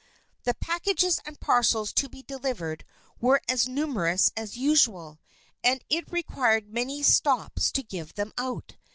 The packages and parcels to be delivered were as numerous as usual, and it required many stops to give them out.